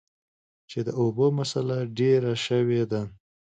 چې د اوبو مسله ډېره شوي ده ـ